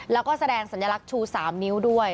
แล้วก็แสดงสัญลักษณ์ชู๓นิ้วด้วย